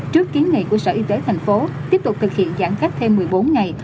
trước kiến nghị của sở y tế thành phố tiếp tục thực hiện giãn cách thêm một mươi bốn ngày